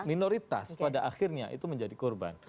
minoritas pada akhirnya itu menjadi korban